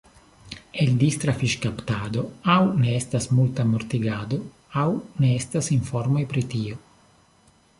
El distra fiŝkaptado aŭ ne estas multa mortigado aŭ ne estas informoj pri tio.